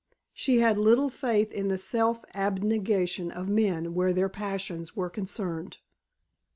She had little faith in the self abnegation of men where their passions were concerned.